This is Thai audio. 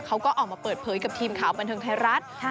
เขาก็ออกมาเปิดเผยกับทีมข่าวบันเทิงไทยรัฐ